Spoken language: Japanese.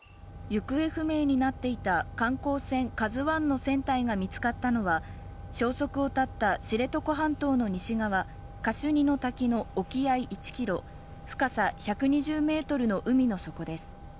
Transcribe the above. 行方不明になっていた観光船「ＫＡＺＵⅠ」の船体が見つかったのは、消息を絶った知床半島の西側カシュニの滝の沖合１ｋｍ深さ１２０ｍの海の底です。